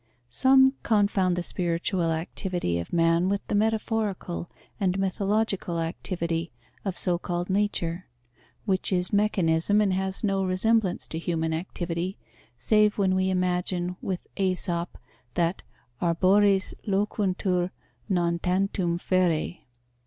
Some confound the spiritual activity of man with the metaphorical and mythological activity of so called nature, which is mechanism and has no resemblance to human activity, save when we imagine, with Aesop, that arbores loquuntur non tantum ferae.